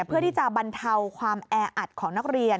เพื่อที่จะบรรเทาความแออัดของนักเรียน